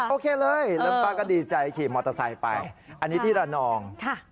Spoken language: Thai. โอเคเลยแล้วป้าก็ดีใจขี่มอเตอร์ไซค์ไปอันนี้ที่ระนอง